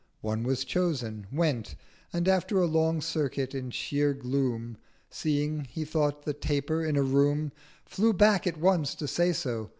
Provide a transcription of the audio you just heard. One was chosen: went. 1280 And after a long Circuit in sheer Gloom, Seeing, he thought, the TAPER in a Room Flew back at once to say so.